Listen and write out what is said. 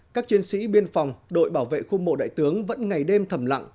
các chiến sĩ biên phòng đội bảo vệ khu mộ đại tướng vẫn ngày đêm thầm lặng